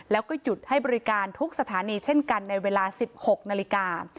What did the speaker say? แล้วก็หยุดให้บริการทุกสถานีเช่นกันในเวลา๑๖นาฬิกา